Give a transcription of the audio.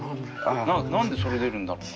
何でそれ出るんだろうな。